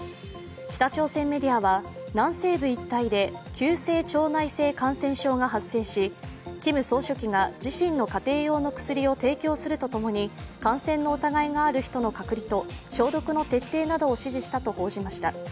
北朝鮮メディアは、南西部一帯で急性腸内性感染症が発生しキム総書記が自身の家庭用の薬を提供するとともに感染の疑いがある人の隔離と消毒の徹底などを指示したと報じました。